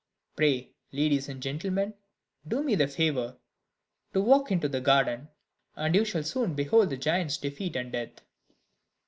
Pray, ladies and gentlemen, do me the favour to walk into the garden, and you shall soon behold the giant's defeat and death."